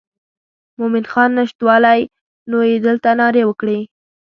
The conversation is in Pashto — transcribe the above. مومن خان نشتوالی نو یې دلته نارې وکړې.